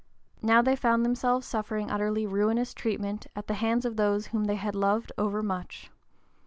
Now they found themselves suffering utterly ruinous treatment at the hands of those whom they had loved overmuch.